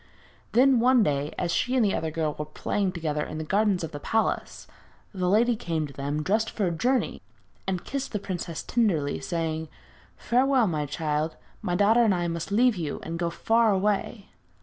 Then, one day, as she and the other girl were playing together in the gardens of the palace, the lady came to them, dressed for a journey, and kissed the princess tenderly, saying: 'Farewell, my child; my daughter and I must leave you and go far away.'